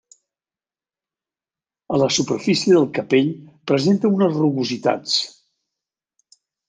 A la superfície del capell presenta unes rugositats.